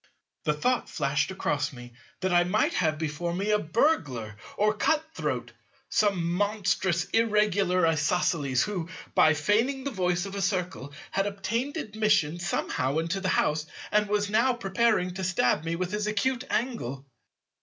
The thought flashed across me that I might have before me a burglar or cut throat, some monstrous Irregular Isosceles, who, by feigning the voice of a Circle, had obtained admission somehow into the house, and was now preparing to stab me with his acute angle.